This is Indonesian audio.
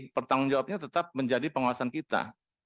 pertanggung jawabnya tetap menjadi pengawasan kita